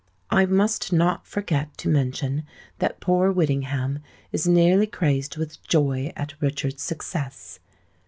"I must not forget to mention that poor Whittingham is nearly crazed with joy at Richard's success.